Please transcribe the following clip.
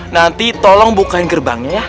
nanti tolong bukain gerbangnya ya